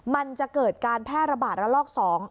มันจะเกิดการแพร่ระบาดระลอก๒